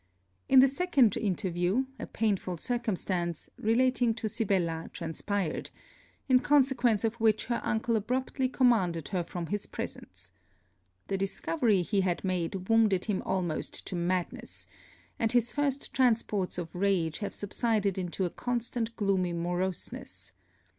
In the second interview, a painful circumstance, relating to Sibella, transpired, in consequence of which her uncle abruptly commanded her from his presence. The discovery he had made wounded him almost to madness; and his first transports of rage have subsided into a constant gloomy moroseness.